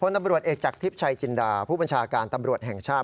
ตำรวจเอกจากทิพย์ชัยจินดาผู้บัญชาการตำรวจแห่งชาติ